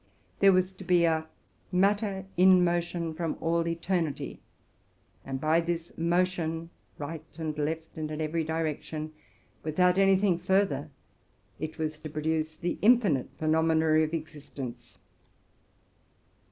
There was to be a matter in motion from all eternity ; and by this motion, right and left and in every direction, without any thing further, it was to produce the infinite phenomena of existence.